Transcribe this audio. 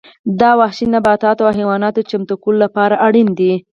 دا د وحشي نباتاتو او حیواناتو چمتو کولو لپاره اړین دي